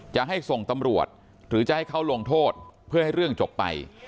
จะให้ส่งตำรวจหรือจะให้เขาลงโทษเพื่อให้เรื่องจบไป